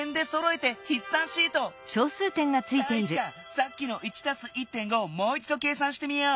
さっきの「１＋１．５」をもういちど計算してみよう。